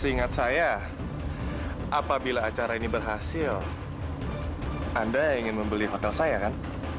seingat saya apabila acara ini berhasil anda ingin membeli bakal saya kan